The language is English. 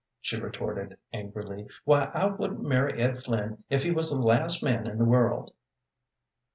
she retorted, angrily. "Why, I wouldn't marry Ed Flynn if he was the last man in the world."